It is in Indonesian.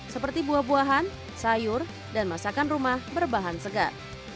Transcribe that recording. seperti buah buahan sayur dan masakan rumah berbahan segar